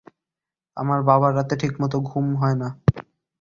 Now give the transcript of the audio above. আমার বাবার রাতে ঠিকমত ঘুম হয় না।